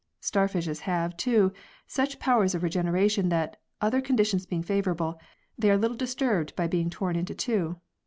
Starfishes have, too, such powers of regeneration that, other conditions being favourable, they are little disturbed by being torn into two.